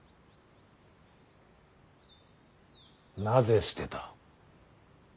なぜ捨てた。